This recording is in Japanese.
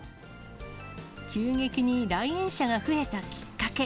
急激に来園者が増えたきっかけ。